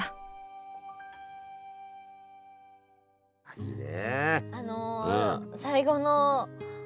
いいね。